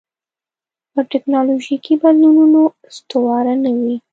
پر ټکنالوژیکي بدلونونو استواره نه وي.